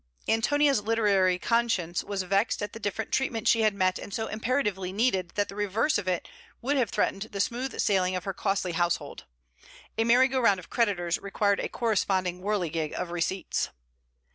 ANTONIA's literary conscience was vexed at the different treatment she had met and so imperatively needed that the reverse of it would have threatened the smooth sailing of her costly household. A merry go round of creditors required a corresponding whirligig of receipts.